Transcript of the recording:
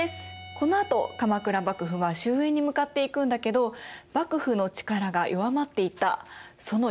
このあと鎌倉幕府は終えんに向かっていくんだけど幕府の力が弱まっていったその要因って何だと思いますか？